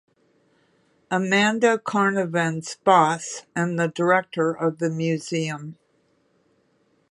Amanda Carnovan's boss and the director of the Museum.